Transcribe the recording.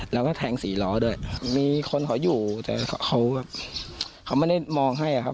แล้วก็แทงสี่ล้อด้วยครับมีคนเขาอยู่แต่เขาแบบเขาไม่ได้มองให้อะครับ